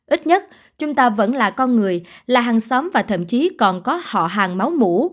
ít nhất chúng ta vẫn là con người là hàng xóm và thậm chí còn có họ hàng máu mũ